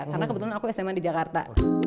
karena kebetulan aku sma di jakarta